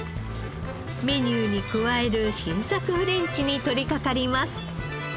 メニューに加える新作フレンチに取りかかります。